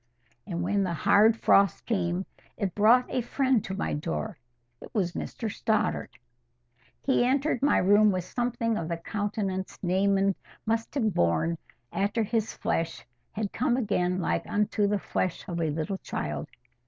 And when the hard frost came, it brought a friend to my door. It was Mr Stoddart. He entered my room with something of the countenance Naaman must have borne, after his flesh had come again like unto the flesh of a little child.